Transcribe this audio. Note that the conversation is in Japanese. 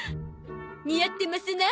似合ってますな